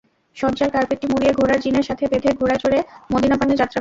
শয্যার কার্পেটটি মুড়িয়ে ঘোড়ার জিনের সাথে বেঁধে ঘোড়ায় চড়ে মদীনাপানে যাত্রা করেন।